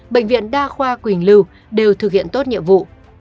bệnh viện đa khoa quỳnh lưu đều thực hiện tốt nhiệm vụ